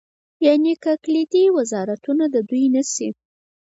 یعنې که کلیدي وزارتونه د دوی نه شي.